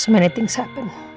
banyak hal yang terjadi